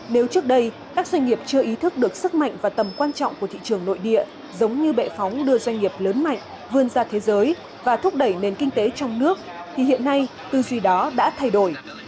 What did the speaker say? nếu trước đây các doanh nghiệp chưa ý thức được sức mạnh và tầm quan trọng của thị trường nội địa giống như bệ phóng đưa doanh nghiệp lớn mạnh vươn ra thế giới và thúc đẩy nền kinh tế trong nước thì hiện nay tư duy đó đã thay đổi